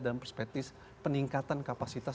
dalam perspektif peningkatan kapasitas